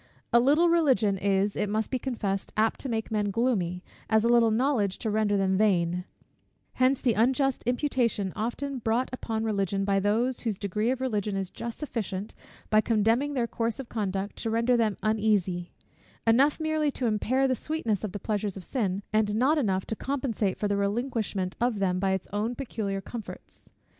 A little Religion is, it must be confessed, apt to make men gloomy, as a little knowledge to render them vain: hence the unjust imputation often brought upon Religion by those, whose degree of Religion is just sufficient, by condemning their course of conduct, to render them uneasy: enough merely to impair the sweetness of the pleasures of sin, and not enough to compensate for the relinquishment of them by its own peculiar comforts.